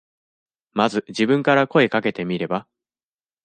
まず自分から声かけてみれば。